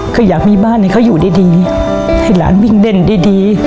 ก็อยากมีบ้านให้เขาอยู่ดีให้หลานวิ่งเล่นดี